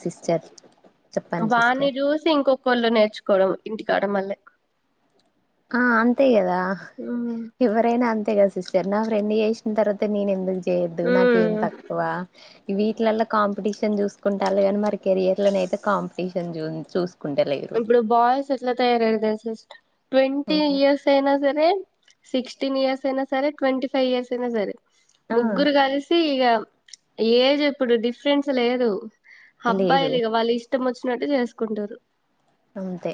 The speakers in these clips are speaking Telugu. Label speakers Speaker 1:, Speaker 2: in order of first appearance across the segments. Speaker 1: సిస్టర్ చెప్పండి
Speaker 2: వాన్ని
Speaker 1: సిస్టర్
Speaker 2: చూసి ఇంకొకలు నేర్చు కోవడం ఇంటికడ మలే
Speaker 1: ఆ అంతే కదా ఎవరైనా అంత్ అంతే కదా సిస్టర్ నా ఫ్రెండ్ చేసిన్ తర్వాత నేను ఎందుకు చేయద్దు నాకేం
Speaker 2: మ్మ్
Speaker 1: తక్కువ. విట్లలాల్ల కాంపిటీషన్ చూసుకుంటాలు గానీ మరి కెరియర్ లోనైతే కాంపిటీషన్ చూ చూస్
Speaker 2: ఇప్పుడు బాయ్స్ ఎట్లా తయారయయ్యారు తెల్సా సిస్టర్ ట్వంటీ ఇయర్స్ అయినా సరే సిక్స్టీన్ ఇయర్స్ అయినా, సరే ట్వంటీఫైవ్ ఇయర్స్ అయినా సరే
Speaker 1: ఆ
Speaker 2: ముగ్గురు కలిసి ఇగ ఏజ్ ఎప్పుడు డిఫరెన్స్ లేదు
Speaker 1: లేదు
Speaker 2: అబ్బాయిలు ఇగ వాళ్ళు ఇష్ ఇష్టం వచ్చినట్టు చేస్కుంటూరు.
Speaker 1: అంతే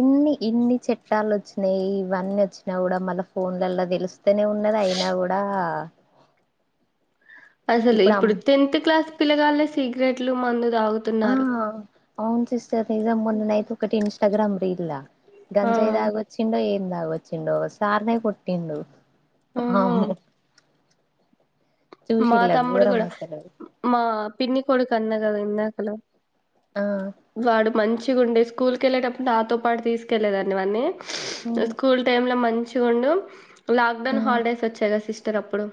Speaker 1: ఇన్ని ఇన్ని చట్టాలు వచ్ నేయి ఇవన్ని వచ్చినా కూడా మల్ల ఫోన్లలా తెలుస్తేనే ఉన్నది. అయినా కూడా
Speaker 2: అసలు ఇప్పుడు టెన్త్ క్లాస్ పిల్లగాల్లె సిగరెట్లు, మందు
Speaker 1: ఆ
Speaker 2: తాగుతున్నారు.
Speaker 1: అవును సిస్టర్ నిజం మొన్ననయితే ఒకటి ఇంస్టాగ్రామ్ రీల్లా
Speaker 2: ఆ
Speaker 1: గంజాయి దాగి వచ్చిండో ఏద్ దాగా వచ్చిండో సార్నె కోట్టిండు అమ్
Speaker 2: ఆహా మా తమ్ముడు కూడా
Speaker 1: అసలు
Speaker 2: మా పిన్ని కొడుక్ సన్న కదా ఇందాకలో
Speaker 1: ఆ
Speaker 2: వాడు మంచిగ ఉండే స్కు కూల్ కి ఎల్లెటపుడు నాతో పాటు తీస్కెలేదాన్ని వాన్ని
Speaker 1: ఉమ్,
Speaker 2: స్కూల్ టైమ్ లో మంచి సి ఉండు లాక్ డౌన్
Speaker 1: ఉమ్,
Speaker 2: హాలిడేస్ వచ్చాయి కద సిస్టర్ అప్పుడు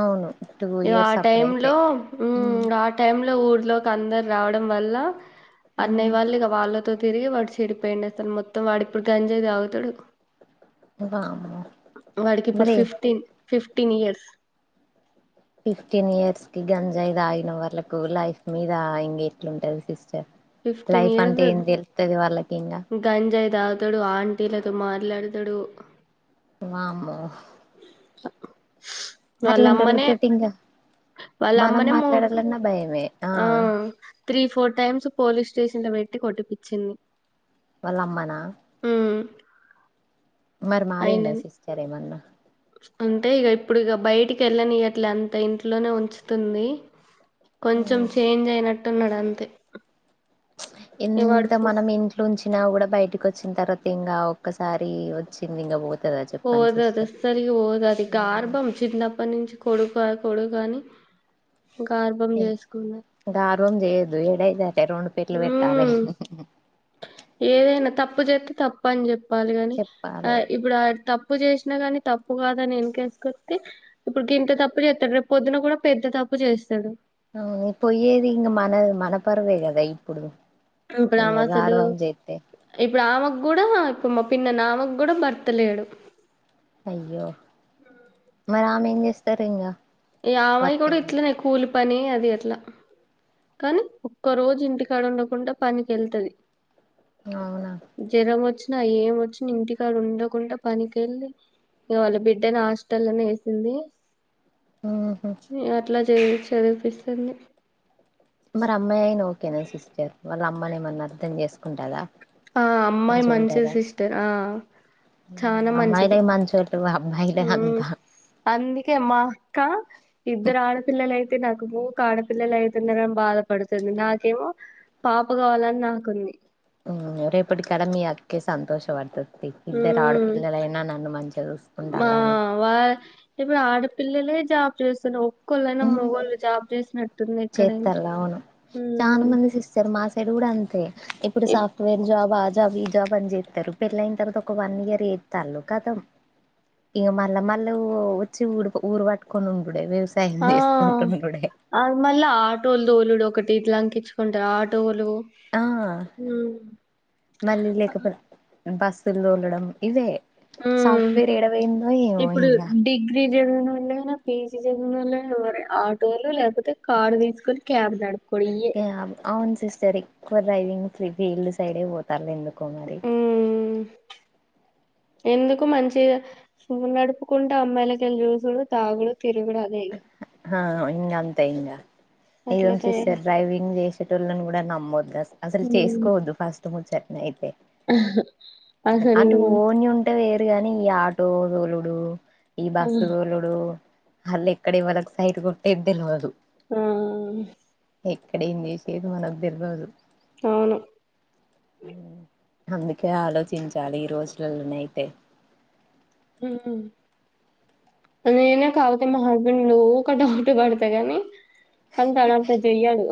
Speaker 1: అవును టూ
Speaker 2: ఇగ
Speaker 1: ఇయర్స్
Speaker 2: ఆ
Speaker 1: అప్పుడైతే
Speaker 2: టైంలో
Speaker 1: ఉమ్,
Speaker 2: హ్మ్ ఆ టైమ్ లో ఊర్లోకి అందరు రావడం వల్ల
Speaker 1: ఉమ్,
Speaker 2: అన్నయ వాల్లిగా వాళ్ళు తో తిరిగి వాడు చెడిపోయిండుసలు మొత్తం వాడిప్పుడు గంజాయి తాగుతడు.
Speaker 1: వామ్మో
Speaker 2: వాడికి ఇప్పుడు
Speaker 1: మరి
Speaker 2: fifteen, fifteen years
Speaker 1: fifteen years కి గంజాయి తాగిన వాళ్ళకు లైఫ్ మీద ఇగ ఎట్లుంటది సిస్ట
Speaker 2: ఫిఫ్టీన్
Speaker 1: లైఫ్
Speaker 2: ఇయర్స్
Speaker 1: అంటే ఏం తెలుత్తది వాళ్ళకి ఇంగా
Speaker 2: గంజాయి తాగుతాడు, ఆంటీలతో మాట్లాడతాడు.
Speaker 1: వామ్మో
Speaker 2: అక్కుమ్
Speaker 1: అట్లాంటోళ్లతోటి ఇంకా
Speaker 2: వాళ్ళ అమ్మనే ము ఆ three, four times police station లో పెట్టి కొట్టిపించింది.
Speaker 1: వాళ్లమ్మనా మరి మారిండా
Speaker 2: ఆయనని
Speaker 1: సిస్టర్ ఏమన్న?
Speaker 2: అంటే ఇగ ఇప్పుడు ఇగ బైటికిలేనియట్లే అంత ఇంట్లోనే ఉంచుతుంది. కొంచెం చేంజ్ అయినటున్నాడు అంతే.
Speaker 1: హ్మచ్
Speaker 2: ఇగ వాడు
Speaker 1: ఎంత
Speaker 2: ఫు-
Speaker 1: మనం ఇంట్లోంచిన కూడా బైటిక్ కొచ్చిన తర్వాత ఇంగ ఒక్కసారి వచ్చింది ఇంగ బొద్
Speaker 2: పోదది అసలుకి పొదది గర్భమ్ చిన్నప్పటి నుంచి కొడుకు ఆన్ పోడు గాని ఇంకా గర్భమ్ చేసుకున్న
Speaker 1: గర్భమ్ చేయద్దు ఏద్ అయితే అది రెండు పేట్లు పెట్టాలె.
Speaker 2: ఉమ్ ఏదైనా తప్పు చేస్తే తప్పు అని చెప్పాలి గని ఆ
Speaker 1: చెప్పాలి
Speaker 2: ఇప్పుడు ఆ తప్ తప్పు చేసినా గని తప్పు కదాని వెనకేసుకొత్తే ఇప్పుడు గింత తప్పు చేస్తాడు రేపు పొద్దున కూడా పెద్ద తప్పు తప్పు చేస్తాడు
Speaker 1: ఔన పొయ్యేది ఇంగ మన మనపరువే గదా ఇప్పుడు. ఇంకా
Speaker 2: ఇప్పుడమసలూ
Speaker 1: గర్వం చేస్తే
Speaker 2: ఇప్పుడామ గుడా ఇప్పు మా పిన్న నామక్ గుడా భర్తలేడు
Speaker 1: అయ్యో మరి ఆమెంజేస్తారు ఇంగా
Speaker 2: ఇగ ఆమై కూడా ఇట్లనే కూలి పని అది అట్లా కానీ ఒక్క రోజు ఇంటికాడ ఉండకుండా పనికెళ్తది
Speaker 1: అవునా
Speaker 2: నా ఏమొచ్చిన ఇంటికాడుండకుండా పనికెళ్లి ఇగ వాళ్ళ బిడ్డని హస్టల్లోనే వేసింది ఇగ అట్లా జేయి చదివిపిస్తుంది
Speaker 1: మరమ్మాయైన ఐనా ఓకేనా సిస్టర్ వాళ్ళమ్మనేమన్నా అర్థం జేస్కుంటదా
Speaker 2: ఆ అమ్మాయ్ మంచిది సిస్టర్ ఆ
Speaker 1: ఉమ్
Speaker 2: చానా
Speaker 1: అమ్మాయిలే
Speaker 2: మంచిది
Speaker 1: మంచోళ్ళు అబ్బాయిలే
Speaker 2: ఉమ్
Speaker 1: అంతా
Speaker 2: అంద్ కె మా అక్క ఇద్దరాడపిల్లలైతే నాకు ఊక ఆడపిల్లలైతున్నరని బాదపడుతది నాకేమో పాప గావాలని నాకుంది
Speaker 1: ఉమ్ రేపటికడ మీ అక్కే సంతోష పడ్తద్
Speaker 2: మ్మ్
Speaker 1: ఇద్దరాడపిల్లలైనా నన్ను మంచిగా జూస్కూంటాల్లనీ
Speaker 2: ఇప్పుడాపిల్లలే జాబ్ జెస్తున్నారు ఒక్ ఒక్కోళ్లైనా మొగోళ్ళు జాబ్ జేస్నట్టుందా ఎక్కడైనా
Speaker 1: చేత్తల్ల
Speaker 2: ఉమ్ ఉమ్
Speaker 1: పెరుగుడు అంతే ఇప్పుడు సాఫ్ట్వేర్ జాబ్ ఆజ్ జాబ్ ఈ జాబ్ అని జేత్తరూ పెళ్లెయింతరత ఒక్క వన్ ఇయర్ జేత్తాల్లు కథం ఇగ మళ్ళా మళ్ళో ఒచ్చి ఉడ్ ఊర్ వట్టుకొని ఉండుడే వేస్
Speaker 2: ఆ అ మళ్ళా ఆటోల్ దోలుడొకటి ఇట్లాంకిచ్చుకుంటా ఆటోలు
Speaker 1: ఆ మళ్ళీ లేకపల్ బస్సుల్దోడడం ఇవే
Speaker 2: మ్మ్
Speaker 1: సాఫ్ట్వేర్ ఏడవోయిందో ఏమో ఇంగా
Speaker 2: నోళ్ళైనా పిజి చదివినోళ్ళైనా ఎవరైనా ఆటోలు లేపోతే కార్ తీస్కుని క్యాబ్ నడ్ప్
Speaker 1: త్తే ఆగు ఔన్ సిస్టరీ ఎక్కువ డ్రైవింగ్ ఫీ-ఫీల్డ్ సైడే వోతార్రు ఎందుకో మరి
Speaker 2: హ్మ్ ఎందుకు మంచిగా సూనడుపుకుంటా అమ్మాయిలకెల్ జూసుడు తాగుడు తిరుగుడు అదే ఇగ
Speaker 1: హ ఇంగంతే ఇంగా
Speaker 2: అట్లా
Speaker 1: నిజం
Speaker 2: తయారై
Speaker 1: సిస్టర్ డ్రైవింగ్ జేసెటోళ్లని గుడా నమ్ నమ్మెద్ అస్ అసల్
Speaker 2: ఉమ్
Speaker 1: చేస్కోద్దు ఫస్ట్ ముచైట్నైతే
Speaker 2: అసలు
Speaker 1: అంటే ఓన్ యుంటే వేర్ గాని ఈ ఆటో దోలుడు ఈ
Speaker 2: ఆ
Speaker 1: బస్సు దోలుడు హల్లే ఎక్కడి ఎవలికి సైట్ గొట్టెద్దెల్వదు
Speaker 2: హ్మ్మ్
Speaker 1: ఎక్కడేం జేసేద్ మనకి తెల్వదు
Speaker 2: ఆవును
Speaker 1: అందుకే ఆలోచించాలి ఈ రోజులల్లోనైతే
Speaker 2: ఉమ్ నేనా కాపోతే మా హస్బెండ్ ఊక డౌట్ పడ్తా గానీ కానీ తనట్ల జేయ్యడు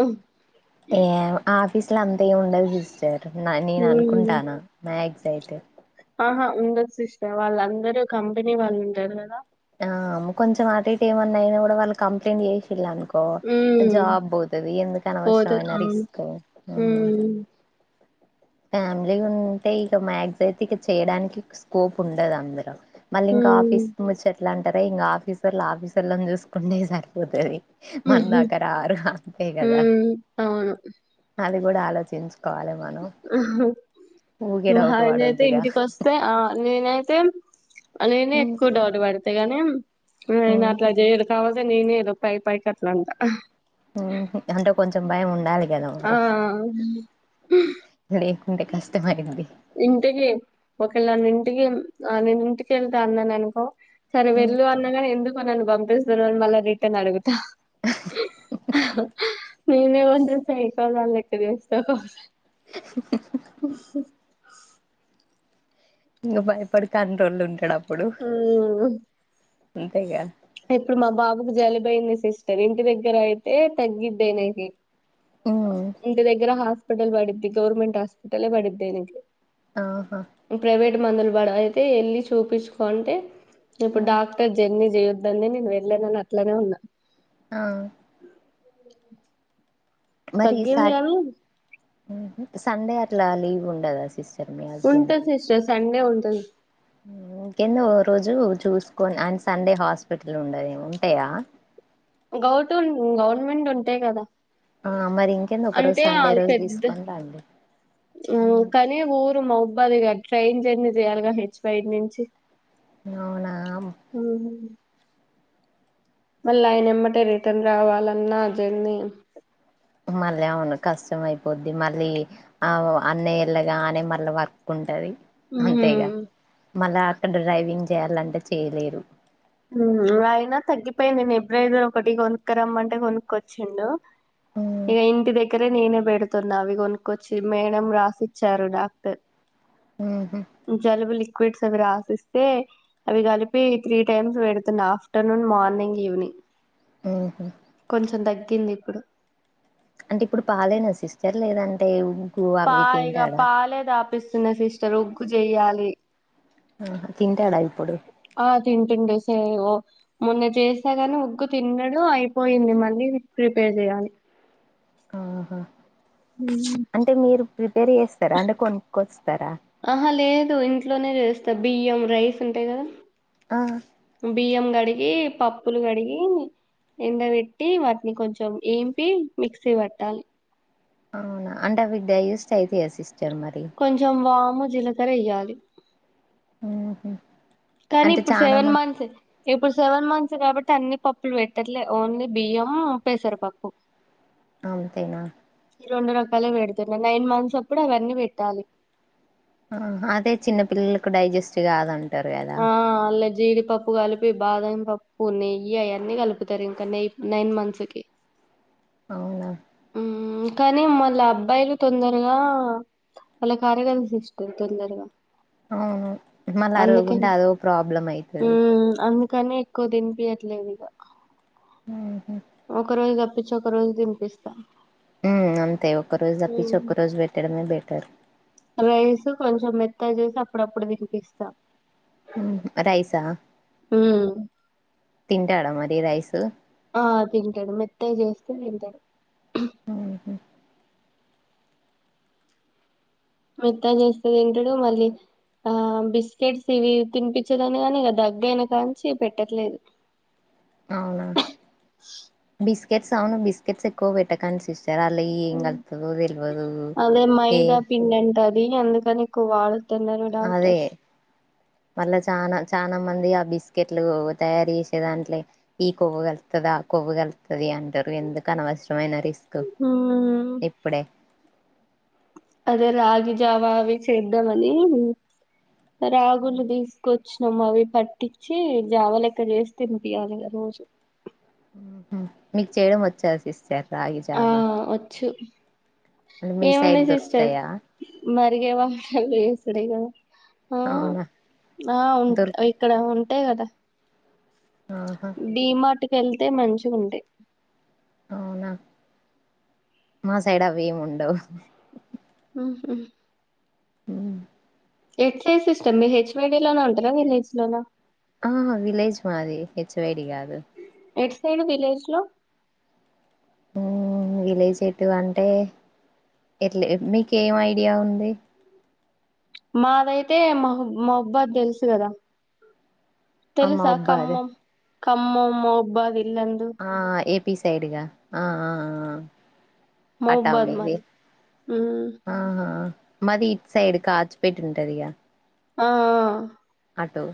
Speaker 1: ఏమొ ఆఫీస్ల అంతేముండదు సిస్టర్ న నేననుకుంటాన్నా మాక్స్ తైతే
Speaker 2: ఆహా ఉండద్ సిస్టర్ వాళ్లందరూ కంపెనీ వాళ్ళుంటారు గదా
Speaker 1: ఆ అమ్మ కొంచమాటీటేమన్నైనా గూడ వాళ్ళు కంప్లైంట్ జెషి పిల్లన్కో
Speaker 2: హ్మ్.
Speaker 1: జాబ్ బోతది
Speaker 2: పోతది.
Speaker 1: ఎందుకనవసరవైన
Speaker 2: అవును.
Speaker 1: రిస్క్
Speaker 2: హ్మ్.
Speaker 1: ఫ్యామిలీ ఉంటే ఇక మ్యాక్స్ అయితే ఇక చేయడానికి స్కోప్ ఉండదు అందులో మళ్ళీ ఇంకా ఆఫీస్
Speaker 2: హ్మ్.
Speaker 1: ముచ్చట్లు అంటార ఇంకా ఆఫీసర్ల ఆఫీసొళ్ళని చూసుకుంటే సరిపోతది మందాకారరు అంతే కదా
Speaker 2: హ్మ్. అవును.
Speaker 1: అది కూడా ఆలోచించుకోవాలి మనం
Speaker 2: ఆహ్
Speaker 1: ఊకే
Speaker 2: మ
Speaker 1: డౌట్
Speaker 2: ఆయనైతే
Speaker 1: పడొద్దుగా
Speaker 2: ఇంటికి వస్తే ఆ నేనైతే నేనే ఎక్కువ డౌట్ పడతా గానీ నేను అట్లా చేయరు కావ నేనే ఏదొ పై పై కట్లా అంట
Speaker 1: అంటే కొంచెం భయం ఉండాలి కదా
Speaker 2: ఆ!
Speaker 1: మరి ఇ అంటే కష్టమైంది
Speaker 2: పిల్లాడ్నీ ఇంటికి ఆ నేను ఇంటికి వెళ్తా అన్నాననుకో సరే వెళ్ళు అన్నాగాని ఎందు మ నన్ను పంపిస్తరు మళ్ళ రిటర్న్ అడుగుతా నేనే కొంచ్రం సైకో దాని లెక్క చేస్తా ఒకోసారి
Speaker 1: ఇంకా భయపడి కంట్రోలో ఉంటాడు అప్
Speaker 2: ఉ మ్
Speaker 1: అంతే గా
Speaker 2: ఇప్పుడు మా బాబుకు జలుబుయింది సిస్టర్ ఇంటి దగ్గర అయితే తగ్గిద్దేనేకి
Speaker 1: ఉమ్
Speaker 2: ఇంటి దగ్గర హాస్పిటల్ పడిద్ది గవర్నమెంట్ హాస్పిటలే పడిద్ది ఆయనకి
Speaker 1: ఆహా
Speaker 2: ప్రైవేట్ మందులు పడవ్ ఐతే వెళ్ళి చూపించుకో అంటే ఇప్పుడు డాక్టర్ జర్నీ చెయ్ దందే నేను వెళ్ళను అట్లనే ఉన్నా
Speaker 1: ఆ మరి సా
Speaker 2: తగ్గింది కానీ
Speaker 1: సండే అట్లా లీవ్ ఉండదా సిస్
Speaker 2: ఉంటది సిస్టర్ సండే ఉంటుం
Speaker 1: ఇంకేంన్నో ఓ రోజు చూసుకోని అండ్ సండే హాస్పిటల్ ఉండయి ఉంటాయా
Speaker 2: గౌటు గవర్నమెంట్ ఉంటాయి కదా
Speaker 1: ఆ మరి ఇంకేంది ఒక రోజు
Speaker 2: అంటే అ
Speaker 1: సండే రోజు
Speaker 2: పెద్ద
Speaker 1: తీసుకొని రండి
Speaker 2: ఉ కానీ ఊర్ రు మోబదిగా ట్రైన్ జర్నీ చేయాలిగా హెచ్ వైడ్ నుంచి
Speaker 1: అవునా
Speaker 2: ఉ మళ్ళీ ఆయన ఎమ్మటే రిటర్న్ రావాలన్నా జర్నీ
Speaker 1: మళ్ళీ అవును కష్టం అయిపోద్ది మళ్ళీ ఆ అన్నయ ఎల్ళగానే మళ్ళీ వర్క్ ఉంటది
Speaker 2: ఉమ్
Speaker 1: అంతేగా మళ్ళ అక్కడ డ్రైవింగ్ చేయాలంటే చేయలేరు
Speaker 2: ఉ అయినా తగ్గిపోయింది నేబరెరర్ ఒకటి కొనుక్క రమ్మంటే కొనుక్కొచ్చిండు ఇగ ఇంటి దగ్గరే నేనే పెడుతున్నా అవి కొనుక్కొచ్చి మేడం రాసిచ్చారు డాక్టర్
Speaker 1: ఊహు
Speaker 2: జలుబు లిక్విడ్స్ అవి రాసిస్తే అవి కలిపి త్రీ టైమ్స్ పెడుతున్నా ఆఫ్టర్నూన్ మార్నింగ్ ఈవినింగ్
Speaker 1: ఉ హు
Speaker 2: కొంచెం తగ్గింది ఇప్పుడు
Speaker 1: అంటే ఇప్పుడు పాలేనా సిస్టర్ లేదంటే అవి
Speaker 2: పాయిగా
Speaker 1: తింటాడా
Speaker 2: పాలే దాపిస్తున్నా సిస్టర్ ఉగ్గు చెయ్యాలి
Speaker 1: అ హా తింటాడ ఇపుడు
Speaker 2: ఆ తింటుండు సే ఓ మొన్న చేశాగాని ఉగ్గు తిన్నడు అయిపోయింది మళ్ళీ ప్రిపేర్ చేయాలి
Speaker 1: ఆహా
Speaker 2: ఉమ్
Speaker 1: అంటే మీరు ప్రిపేర్ చేస్తారా అండి కొనుక్కొస్తారా
Speaker 2: ఆహా లేదు ఇంట్లోనే చేస్తా బియ్యం రైస్ ఉంటాయి కదా
Speaker 1: ఆ
Speaker 2: బియ్యం కడి గి పప్పులు కడిగి ఎండ పెట్టి వాటిని కొంచెం ఏంపి మిక్సీ పట్టాలి.
Speaker 1: అవునా అంటె అవి డైజెస్ట్ అయితయా సిస్
Speaker 2: కొంచెం వాము జీలకర్ర ఎయ్యాలి.
Speaker 1: ఉమ్.
Speaker 2: కానీ ఇప్పుడు సెవెన్ మంత్స్ ఇప్పుడు సెవెన్ మంత్స్. కాబట్టి అన్ని పప్పులు పెట్టట్లే ఓన్లీ బియ్యం పెసరు పప్పు.
Speaker 1: అంతేనా.
Speaker 2: రెండు రకాలవి పెడుతున్నారు నైన్ మంత్స్ అప్పుడు అవన్నీ పెట్టాలి.
Speaker 1: ఆహా అదే చిన్న పిల్లలకు డైజెస్ట్ కాదాండి.
Speaker 2: ఆహ్ అండ్ల జీడిపప్పు కలిపి బాదం పప్పు. పూ నెయ్యి అయన్నీ కలుపుతారు ఇంకా నైన్ మంత్స్ కి.
Speaker 1: అవునా.
Speaker 2: ఉమ్ కానీ మళ్ళీ అబ్బాయిలు తొందరగా. వాళ్లకు అరగదు సిస్టర్ తొందరగా.
Speaker 1: అవును మళ్ళీ అరగకుంటే
Speaker 2: అందుకని
Speaker 1: అదో ప్రాబ్లం అయితది.
Speaker 2: కానీ ఎక్కువ తినిపియట్లేదు ఇగ.
Speaker 1: ఉమ్.
Speaker 2: ఒక రోజు తప్పించి ఒక రోజు తిన్పిస్త్.
Speaker 1: ఉమ్ అంతే ఒక్క రోజు తప్పించి ఒక్క రోజు పెట్టడమే బెటర్.
Speaker 2: రైస్ కొంచెం మెత్తగ చేసి అప్పుడప్పుడు తిన్పిస్తా.
Speaker 1: రైసా.
Speaker 2: ఉమ్.
Speaker 1: తింటాడ మరి రైస్.
Speaker 2: ఆహ్ తింటాడు మెత్తగ చేస్తే తింటడు.
Speaker 1: ఉహు
Speaker 2: మెత్తగ చేస్తే తింటాడు మళ్ళీ. ఆహ్ బిస్కెట్స్ ఇవి తినిపించెదని కాని ఇగ దగ్గేనకాంచి పెట్టట్లేదు.
Speaker 1: అవునా బిస్కెట్స్ అవును బిస్కెట్స్ ఎక్కువ పెట్టకండి సిస్టర్. జరా అండ్ల ఏం కాల్పుతారో తెల్వదు ఎం.
Speaker 2: ఇగ అందుకని ఎక్కువ వాడొద్దు.
Speaker 1: అదే మళ్ళా చానా చనా మంది ఆ బిస్కెట్. ఇట్లు తయారు చేసేదంట్లే ఈ కొవ్వు కలుత్తది ఆ కొవ్వు కలుత్తది అంటారు ఎందుకు అనవసరం. ఏమైన రిస్క్
Speaker 2: హ్మ్
Speaker 1: ఇప్పుడే.
Speaker 2: అదే రాగి జావా అవి చేద్దామని రాగులు విసుకొస్. వషము అవి పట్టించి జావ లెక్క చేసి తినిపియాలిగా రోజు.
Speaker 1: మీకు చేయడం వచ్చా సిస్టర్ రాగి
Speaker 2: ఆ
Speaker 1: జావా.
Speaker 2: వచ్చు
Speaker 1: అంటే మీ
Speaker 2: ఏముంది
Speaker 1: సైడ్
Speaker 2: సిస్టర్
Speaker 1: దొరుకుతాయా
Speaker 2: మర్. ఆహ్
Speaker 1: అవునా
Speaker 2: ఆహ్ ఉం
Speaker 1: దొరుకు
Speaker 2: ఇక్కడ ఉంట్ అంతే గదా.
Speaker 1: ఆహా.
Speaker 2: వెళ్తే మంచిగుంటాయి.
Speaker 1: అవునా మా సైడ్ అవి ఏమి ఉండవు.
Speaker 2: ఉహు.
Speaker 1: ఉమ్.
Speaker 2: ఎట్లే సిస్టమ్ మీరు హెచ్వైడి లోన ఉంటారా విలేజ్ లోన.
Speaker 1: ఆహ్ విలేజ్ మాది హెచ్వైడి గాదు.
Speaker 2: ఎట్ సైడ్ విలేజ్ లో.
Speaker 1: ఉమ్ విలేజ్ ఏంటివి అంటే. ఎట్ల మీకు ఏం ఐడియా ఉంది
Speaker 2: మాదైతే మహబ్ మహబ్బాద్ తెలుసు గదా తెలుసా
Speaker 1: అమ్మబాద్
Speaker 2: కమ్మం కమ్మంమహాబ్బాలీ
Speaker 1: ఆ ఏపీ సైడ్గా ఆ ఆ అటా
Speaker 2: మహబాద్
Speaker 1: మీది
Speaker 2: మాది మ్మ్
Speaker 1: ఆహ్. మాది ఇట్ సైడ్ కాజీపేట్ ఉంటది.
Speaker 2: ఆహ్.
Speaker 1: ఆటో.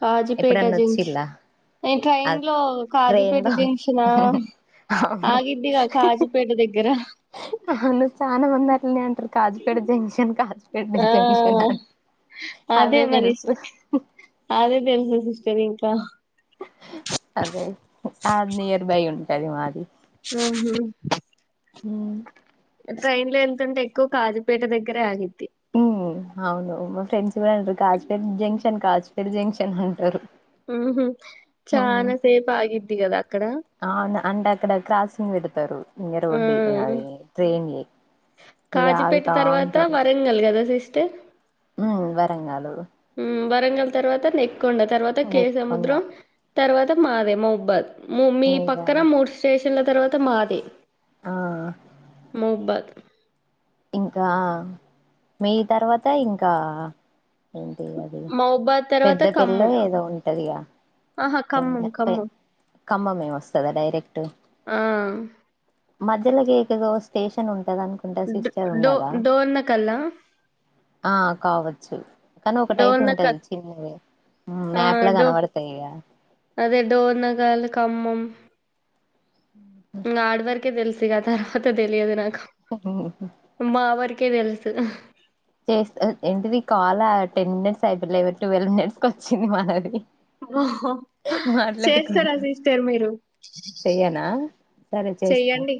Speaker 2: కాజిపేట జెంక్షన్ ఇంకా
Speaker 1: అ
Speaker 2: ఇండ్లో
Speaker 1: ట్రైన్
Speaker 2: కాజిపేట
Speaker 1: లో
Speaker 2: జెంక్షనా ఆగిద్దిగా కాజుపేట దగ్గర
Speaker 1: అవును చాన మంది అట్లనే అంటారు కాజుపేట జంక్షన్ కాజు
Speaker 2: ఆ అదే మరి అదే తే ఎంది సిస్టర్కా
Speaker 1: అదే ఆ నియర్బై ఉంటది మాది
Speaker 2: ఆహ్
Speaker 1: ఉమ్
Speaker 2: ట్రైన్ లో ఏళ్తుంటే ఎక్కువ కాజుపేట దగ్గరే ఆగిది
Speaker 1: ఉమ్ అవును మా ఫ్రెండ్స్ కూడా అంటారు కాజుపేట జంక్షన్ కాజ్పేట్ జంక్షన్ అంటారు
Speaker 2: ఉహు
Speaker 1: హ్మ్
Speaker 2: చానాసేపు ఆగిద్ది గదా అక్కడ
Speaker 1: అవును అంటే అక్కడ క్రాసింగ్ పెడ్తారు ఇగ
Speaker 2: ఆ
Speaker 1: రోడ్డి అది ట్రైన్ ఇగా ఆగుతా ఉంటారు
Speaker 2: తే
Speaker 1: ఉమ్ వరంగాలు
Speaker 2: ఉమ్ వరంగల్ తర్వాత నేక్కోండ తర్వాత
Speaker 1: నెక్కొండ
Speaker 2: కేసముద్రం తర్వాత మాదే ముబ్బల్ మీ
Speaker 1: మీద
Speaker 2: పక్కన మూడు స్టేషన్ల తర్వాత మాదే
Speaker 1: ఆ
Speaker 2: మహబ్బల్
Speaker 1: ఇంకా మే తర్వాత ఇంకా ఏంటి అది
Speaker 2: మహబాద్ తర్వాత
Speaker 1: పెద్దపెల్లో
Speaker 2: ఖమ్మం
Speaker 1: ఏదో ఉంటదిగా
Speaker 2: ఆహా కమ్మం కమ్మం
Speaker 1: కమ్మమే ఓస్తదా డైరెక్ట్
Speaker 2: ఆ
Speaker 1: మధ్యలోకి ఏదో స్టేషన్ ఉంటందనుకుంట సిస్
Speaker 2: డో డో డోర్నకల్లా
Speaker 1: ఆ కావచ్చు కానీ ఒకటైతుంటది
Speaker 2: డోర్నకల్
Speaker 1: చిన్నీది ఉ
Speaker 2: ఆ
Speaker 1: మ్యాప్లా
Speaker 2: డో
Speaker 1: కనబడతాయిక
Speaker 2: అదే డోర్నకాల కమ్మం ఇహ్ ఆడ వరకే తెల్సిగా తర్వాత తెలియదు నాకు వర్కే తెలుసు
Speaker 1: చేస్తె ఏంటిది కాల టెన్ మినిట్స్ అయిపోలే ట్వెల్ మినిట్స్ ఓచ్చింది మనది
Speaker 2: ఆ చేస్తార
Speaker 1: మాట్లాడుకుంటూ
Speaker 2: సిస్టర్ మీరు
Speaker 1: చెయ్యనా సరే చేస్తా
Speaker 2: చెయ్యండి